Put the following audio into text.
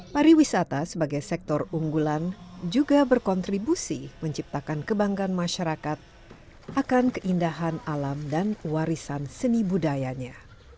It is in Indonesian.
pariwisata sebagai sektor unggulan juga berkontribusi menciptakan kebanggaan masyarakat akan keindahan alam dan warisan seni budayanya